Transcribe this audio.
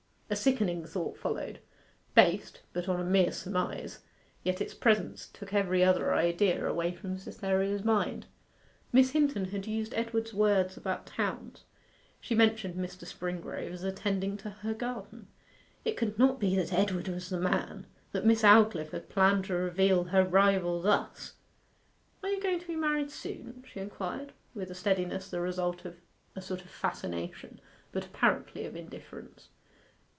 A sickening thought followed based but on a mere surmise; yet its presence took every other idea away from Cytherea's mind. Miss Hinton had used Edward's words about towns; she mentioned Mr. Springrove as attending to her garden. It could not be that Edward was the man! that Miss Aldclyffe had planned to reveal her rival thus! 'Are you going to be married soon?' she inquired, with a steadiness the result of a sort of fascination, but apparently of indifference.